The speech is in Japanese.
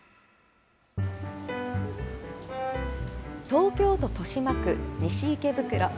東京都豊島区西池袋。